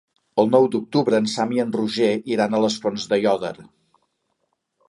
El nou d'octubre en Sam i en Roger iran a les Fonts d'Aiòder.